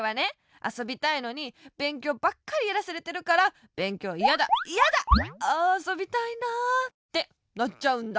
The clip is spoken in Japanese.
あそびたいのにべんきょうばっかりやらされてるから「べんきょういやだいやだ！ああそびたいなあ」ってなっちゃうんだ。